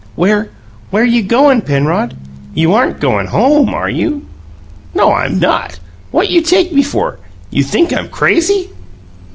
"Where where you goin', Penrod? You aren't goin' HOME, are you?" "No; I'm not! What you take me for? You think I'm crazy?"